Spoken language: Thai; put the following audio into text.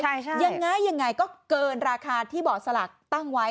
ใช่ใช่ยังไงยังไงก็เกินราคาที่บ่อสลักตั้งไว้